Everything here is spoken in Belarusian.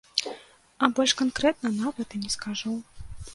А больш канкрэтна нават і не скажу.